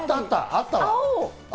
あったわ。